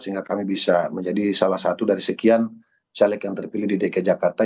sehingga kami bisa menjadi salah satu dari sekian caleg yang terpilih di dki jakarta